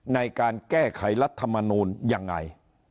ในการแก้ไขรัฐมนูลยังไง